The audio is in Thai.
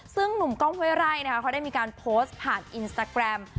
ซึ่งหนุ่มกล้องห้วยไร่นะคะเขาได้มีการโพสต์ผ่านอินสตาแกรม